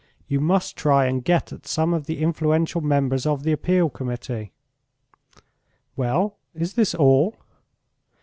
You must try and get at some of the influential members of the Appeal Committee." "Well, is this all?"